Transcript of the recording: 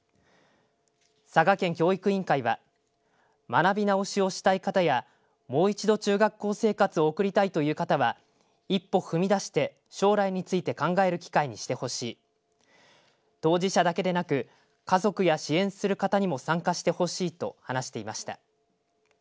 佐賀県教育委員会は学び直しをしたい方やもう一度中学校生活を送りたいという方は一歩踏み出して将来について考える機会にしてほしい当事者だけでなく家族や支援する方にも参加してほしいと話していました。